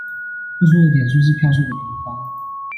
付出的點數是票數的平方